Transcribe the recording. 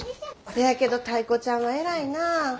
せやけどタイ子ちゃんは偉いなあ。